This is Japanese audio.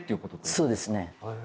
そうですね。